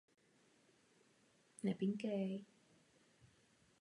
Na zádi se nachází letová paluba umožňující zásobování pomocí vrtulníků.